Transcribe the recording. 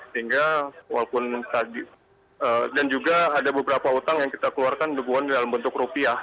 sehingga walaupun tadi dan juga ada beberapa utang yang kita keluarkan dukungan dalam bentuk rupiah